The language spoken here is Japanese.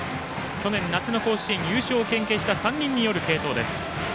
去年夏の甲子園、優勝を経験した３人による継投。